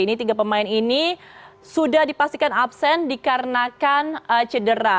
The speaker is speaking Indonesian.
ini tiga pemain ini sudah dipastikan absen dikarenakan cedera